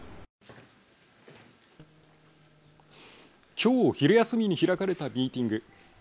きょう昼休みに開かれたミーティング。